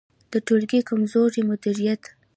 د ټولګي کمزوری مدیریت